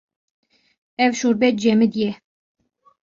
Ev şorbe cemidî ye.